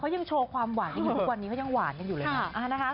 เขายังโชว์ความหวานทุกวันนี้เขายังหวานกันอยู่เลยนะ